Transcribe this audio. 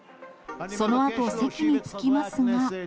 そのあと、席に着きますが。